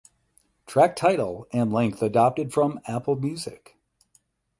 Track title and length adopted from Apple Music.